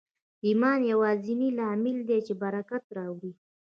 ایمان یوازېنی لامل دی چې برکت راوړي